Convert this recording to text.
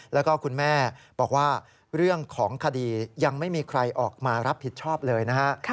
แล้วก็คุณแม่บอกว่าเรื่องของคดียังไม่มีใครออกมารับผิดชอบเลยนะฮะ